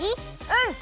うん！